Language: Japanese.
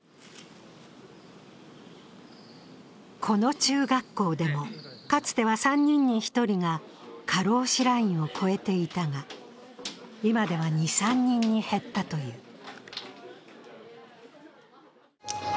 この中学校でも、かつては３人に１人が過労死ラインを超えていたが、今では２３人に減ったという。